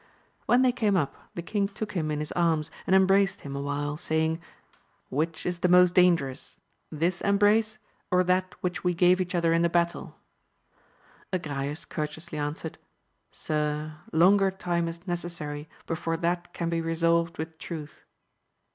When they came up, the king took him in his arms and em braced him awhile, sajring. Which is the most danger ous, this embrace, or that which we gave each other in the battle ? Agrayes courteously answered. Sir, longer time is necessary before that can be resolved with truth.